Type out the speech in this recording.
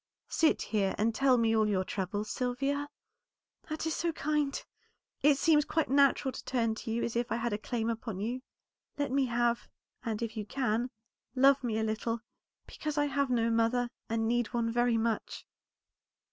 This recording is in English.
Sit here, and tell me all your trouble, Sylvia?" "That is so kind! It seems quite natural to turn to you as if I had a claim upon you. Let me have, and if you can, love me a little, because I have no mother, and need one very much."